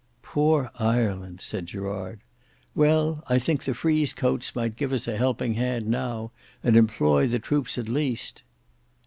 "Poor Ireland!" said Gerard. "Well, I think the frieze coats might give us a helping hand now, and employ the troops at least."